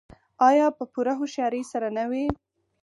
آیا په پوره هوښیارۍ سره نه وي؟